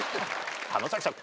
浜崎さん